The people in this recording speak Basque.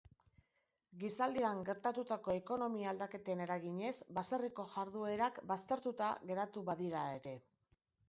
Gizaldian gertatutako ekonomia-aldaketen eraginez baserriko jarduerak baztertuta geratu badira ere.